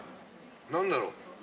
何だろう。